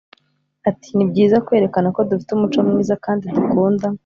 Ati “Ni byiza kwerekana ko dufite umuco mwiza kandi dukunda